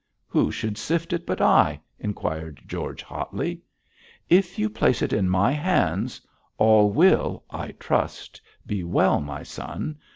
'Who should sift it but I?' inquired George, hotly. 'If you place it in my hands all will I trust be well, my son.